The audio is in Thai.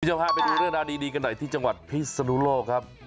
พาไปดูเรื่องราวดีกันหน่อยที่จังหวัดพิศนุโลกครับ